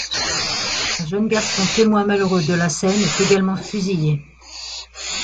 Un jeune garçon témoin malheureux de la scène est également fusillé.